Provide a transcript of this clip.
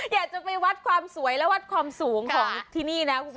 อยากจะวัดความสวยและวัดความสูงของที่นี่นะ